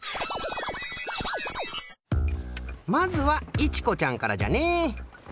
まずはいちこちゃんからじゃね。